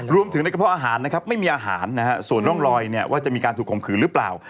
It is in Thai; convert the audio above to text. รวมถึงในกระเพาะอาหารไม่มีอาหารส่วนล่องรอยว่าจะมีการถูกคงคือหรือเปล่า